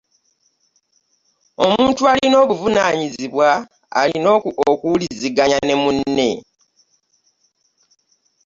Omuntu alina obuvunaanyizibwa alina okuwulizaganya ne munno.